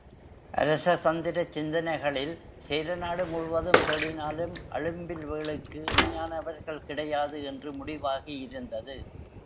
அரச தந்திரச் சிந்தனைகளில் சேரநாடு முழுவதும் தேடினாலும் அழும்பில்வேளுக்கு இணையானவர்கள் கிடையாது என்று முடிவாகி யிருந்தது.